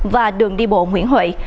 và đường đi bộ nguyễn huệ